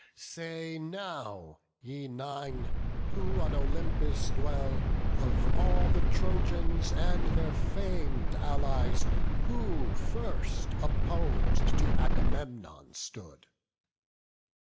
Say now, ye Nine, who on Olympus dwell, Of all the Trojans and their fam'd Allies, Who first oppos'd to Agamemnon stood.